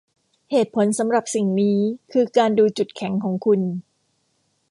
เหตุผลสำหรับสิ่งนี้คือการดูจุดแข็งของคุณ